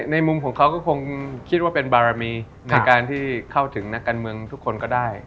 ในมุมของเขาก็คงคิดว่าเป็นบารมีในการที่เข้าถึงนักการเมืองทุกคนก็ได้